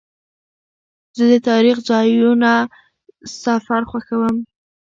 زه د تاریخي ځایونو سفر خوښوم.